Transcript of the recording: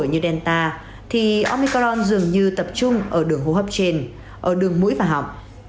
như delta thì omicron dường như tập trung ở đường hô hấp trên ở đường mũi và họng